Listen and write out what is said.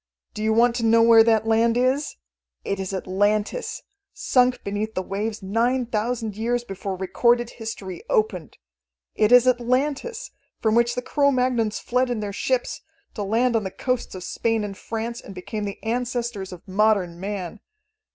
Do you want to know where that land is? It is Atlantis, sunk beneath the waves nine thousand years before recorded history opened. It is Atlantis, from which the Cro Magnons fled in their ships, to land on the coasts of Spain and France, and become the ancestors of modern man.